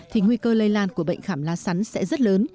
thì nguy cơ lây lan của bệnh khảm lá sắn sẽ rất lớn